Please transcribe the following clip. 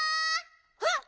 あっ！